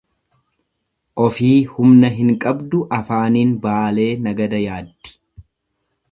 Ofii humna hin qabdu afaaniin Baalee nagada yaaddi.